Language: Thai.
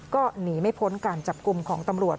ก็หนีไม่พ้นการจับกลุ่มของตำรวจ